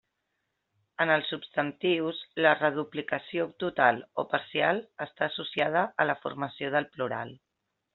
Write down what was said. En els substantius la reduplicació total o parcial està associada a la formació del plural.